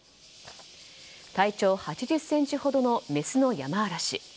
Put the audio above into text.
体長８０ｃｍほどのメスのヤマアラシ。